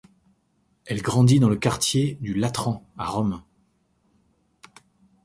Elle grandit dans le quartier du Latran, à Rome.